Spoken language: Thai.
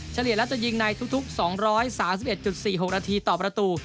เฉลี่ยแล้วจะยิงในทุก๒๓๑๔๖นาทีต่อประตู